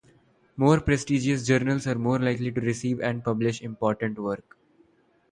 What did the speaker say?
More prestigious journals are more likely to receive and publish more important work.